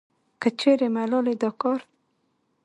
کچېرې ملالې دا کار